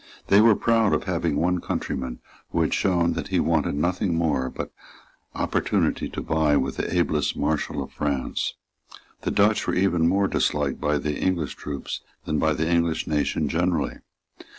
They were proud of having one countryman who had shown that he wanted nothing but opportunity to vie with the ablest Marshal of France. The Dutch were even more disliked by the English troops than by the English nation generally.